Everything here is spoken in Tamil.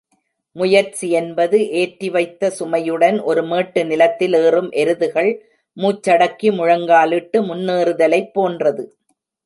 முயற்சி என்பது ஏற்றி வைத்த சுமையுடன் ஒரு மேட்டு நிலத்தில் ஏறும் எருதுகள் மூச்சடக்கி முழங்காலிட்டு முன்னேறுதலைப் போன்றது.